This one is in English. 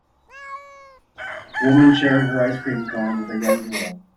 Woman sharing her ice cream cone with a young girl.